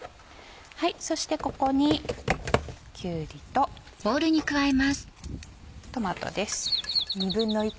そしてここにきゅうりとトマトです。